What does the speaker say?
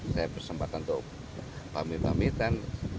saya bersempatan untuk pamit pamitan